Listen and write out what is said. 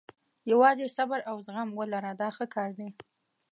یوازې صبر او زغم ولره دا ښه کار دی.